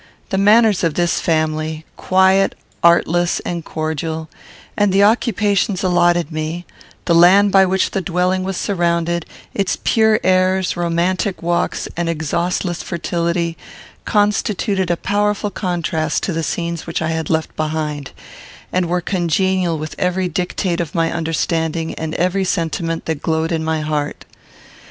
The manners of this family, quiet, artless, and cordial, the occupations allotted me, the land by which the dwelling was surrounded, its pure airs, romantic walks, and exhaustless fertility, constituted a powerful contrast to the scenes which I had left behind, and were congenial with every dictate of my understanding and every sentiment that glowed in my heart.